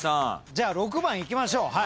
じゃあ６番いきましょう。